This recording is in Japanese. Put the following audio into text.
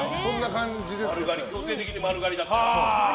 男子は強制的に丸刈りだった。